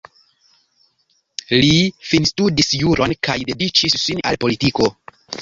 Li finstudis juron kaj dediĉis sin al politiko.